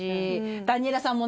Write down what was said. ダニエラさんもね